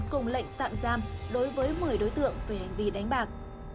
cùng lệnh tạm giam đối với một mươi đối tượng về hành vi đánh bạc